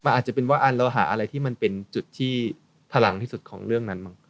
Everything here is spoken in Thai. อาจจะเป็นว่าอันเราหาอะไรที่มันเป็นจุดที่พลังที่สุดของเรื่องนั้นบ้าง